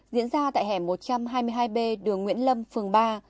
diễn ra tại hẻm một trăm hai mươi hai b đường nguyễn lâm phường ba